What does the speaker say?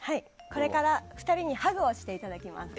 これから２人にハグをしていただきます。